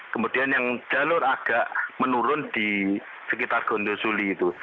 kemudian yang jalur agak menurun di sekitar gondosuli itu